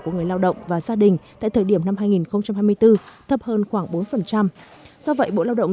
của người lao động và gia đình tại thời điểm năm hai nghìn hai mươi bốn thấp hơn khoảng bốn do vậy bộ lao động